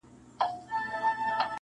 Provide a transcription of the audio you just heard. • ستا پۀ وادۀ كې جېنكو بېګاه چمبه وهله,